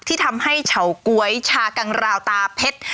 ที่ทำให้เฉาก๊วยชากังราวตาเพชร